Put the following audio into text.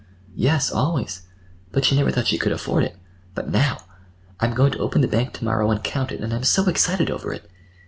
"Yes, always; but she never thought she could afford it. But now—! I'm going to open the bank to morrow and count it; and I'm so excited over it!"